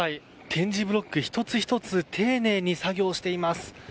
点字ブロック１つ１つ丁寧に作業しています。